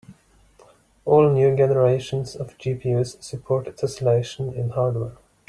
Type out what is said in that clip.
All new generations of GPUs support tesselation in hardware.